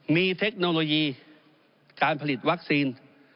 มีเทคโนโลยีการผลิตวัคซีน